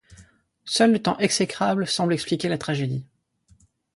Seul le temps exécrable semble expliquer la tragédie.